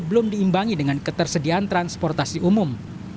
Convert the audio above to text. belum diimbangi dengan ketersediaan transportasi umum